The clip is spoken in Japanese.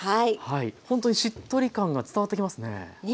ほんとにしっとり感が伝わってきますね。